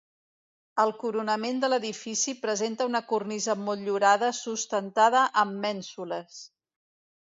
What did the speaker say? El coronament de l'edifici presenta una cornisa motllurada sustentada amb mènsules.